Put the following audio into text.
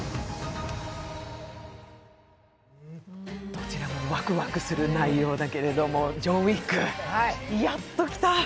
どちらもワクワクする内容だけども、「ジョン・ウィック」、やっと来た。